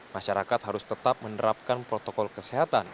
masyarakat harus tetap menerapkan protokol kesehatan